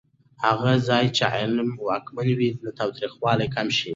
هغه ځای چې علم واکمن وي، تاوتریخوالی کم شي.